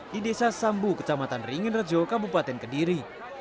di desa sambu kecamatan ringinrejo kabupaten kediri